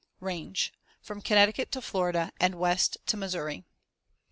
] Range: From Connecticut to Florida and west to Missouri.